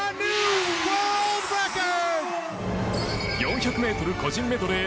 ４００ｍ個人メドレー